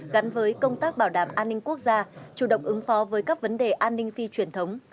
gắn với công tác bảo đảm an ninh quốc gia chủ động ứng phó với các vấn đề an ninh phi truyền thống